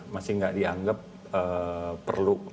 masih nggak dianggap perlu